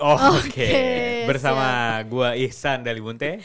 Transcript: oke bersama gue ihsan dali bunte